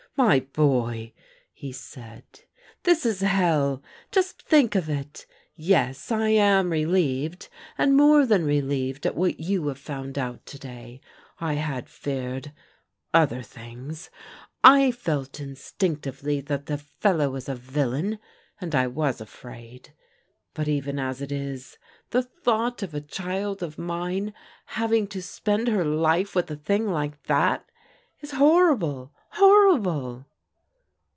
" My boy," he said, " this is hell ! Just think of it !— Yes, I am relieved, and more than relieved at what you have found out to day. I had feared — other things. I felt instinctively that the fellow was a villain, and I was afraid. But even as it is, the thought of a child of mine having to spend her life with a thing like that is horrible, horrible!"